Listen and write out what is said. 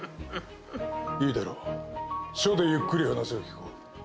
いいだろう署でゆっくり話を聞こう。